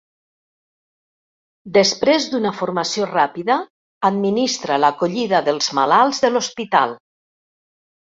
Després d'una formació ràpida, administra l'acollida dels malalts de l'hospital.